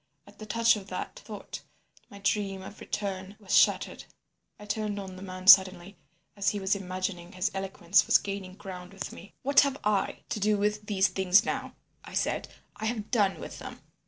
At the touch of that thought my dream of a return was shattered. I turned on the man suddenly, as he was imagining his eloquence was gaining ground with me. "'What have I to do with these things now?' I said. 'I have done with them.